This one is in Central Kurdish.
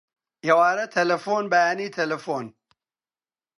ئێوارە تەلەفۆن، بەیانی تەلەفۆن